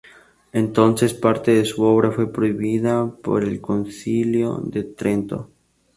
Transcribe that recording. Entonces parte de su obra fue prohibida por el Concilio de Trento.